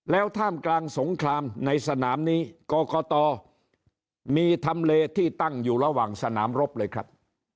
แล้วท่ามกลางสงครามในสนามนี้กรกตมีทำเลที่ตั้งอยู่ระหว่างสนามรบเลยครับ